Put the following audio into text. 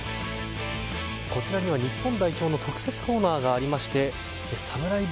こちらには日本代表の特設コーナーがありましてサムライ